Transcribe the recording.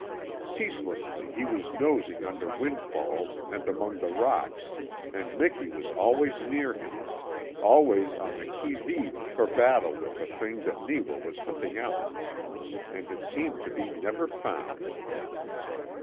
Ceaselessly he was nosing under windfalls and among the rocks, and Miki was always near him, always on the QUI VIVE for battle with the thing that Neewa was hunting out. And it seemed to be never found.